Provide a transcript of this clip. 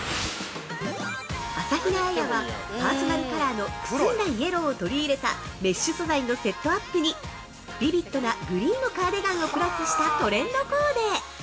◆朝比奈彩はパーソナルカラーのくすんだイエローを取り入れたメッシュ素材のセットアップにビビッドなグリーンのカーディガンをプラスしたトレンドコーデ！